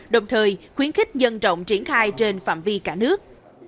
đồng thời khuyến khích nhân rộng triển khai trên phạm vi cả nước